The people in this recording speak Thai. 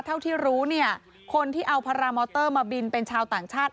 เท่าที่รู้เนี่ยคนที่เอาพารามอเตอร์มาบินเป็นชาวต่างชาติ